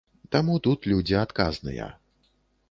Таму тут людзі адказныя.